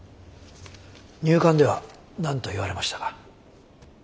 入管では何と言われましたか？